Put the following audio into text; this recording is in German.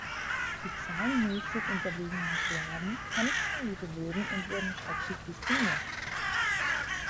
Die zahlenmäßig unterlegenen Zuaven kämpften wie die Löwen und wurden schrecklich dezimiert.